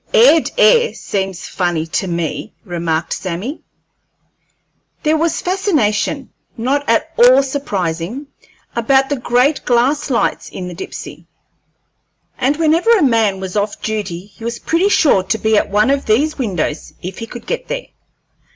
"Aired air seems funny to me," remarked Sammy. There was fascination, not at all surprising, about the great glass lights in the Dipsey, and whenever a man was off duty he was pretty sure to be at one of these windows if he could get there.